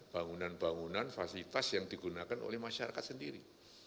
bangunan bangunan fasilitas yang digunakan oleh masyarakat sendiri